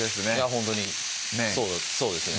ほんとに麺そうですね